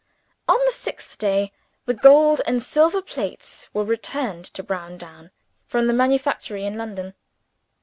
On the sixth day, the gold and silver plates were returned to Browndown from the manufactory in London.